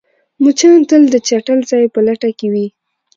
مچان تل د چټل ځای په لټه کې وي